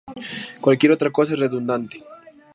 Cualquier otra cosa es redundante.